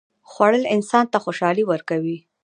خوړل انسان ته خوشالي ورکوي